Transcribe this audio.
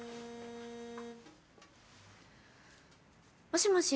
もしもし。